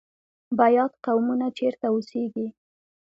بیات قومونه چیرته اوسیږي؟